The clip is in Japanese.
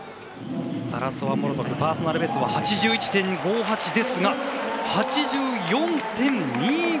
タラソワ、モロゾフパーソナルベストは８１．５８ですが８４．２５。